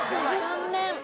残念。